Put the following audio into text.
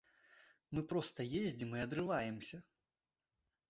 Мы проста ездзім і адрываемся!